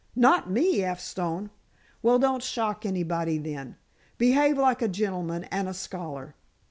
"Not me, F. Stone!" "Well, don't shock anybody, then. Behave like a gentleman and a scholar."